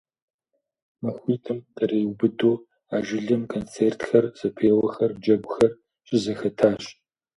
Махуитӏым къриубыдэу а жылэм концертхэр, зэпеуэхэр, джэгухэр щызэхэтащ.